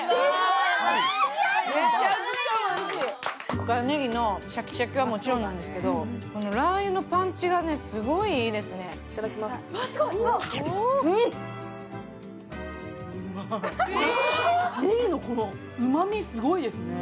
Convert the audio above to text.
深谷ねぎのシャキシャキはもちろんなんですけど、ラー油のパンチが、すごいいいですね。